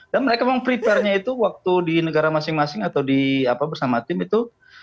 dan mereka memprepare nya itu waktu di negara masing masing atau bersama tim itu